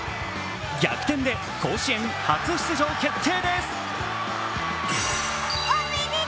逆転で甲子園初出場決定です。